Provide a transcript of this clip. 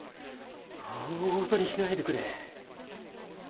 大ごとにしないでくれ。